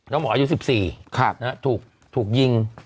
น้องหมออายุ๑๔ถูกยิง